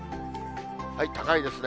高いですね。